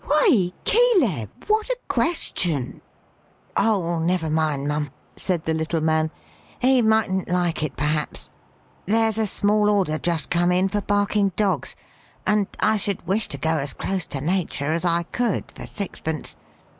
"Why Caleb! what a question!" "Oh never mind, Mum," said the little man. "He mightn't like it perhaps. There's a small order just come in, for barking dogs; and I should wish to go as close to Natur' as I could, for sixpence.